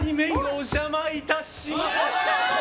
お邪魔いたします。